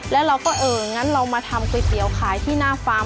แล้วเราก็เอองั้นเรามาทำก๋วยเตี๋ยวขายที่หน้าฟาร์ม